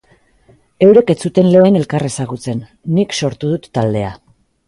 Eurek ez zuten lehen elkar ezagutzen, nik sortu dut taldea.